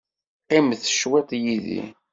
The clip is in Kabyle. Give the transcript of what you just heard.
Qqimet cwiṭ yid-i.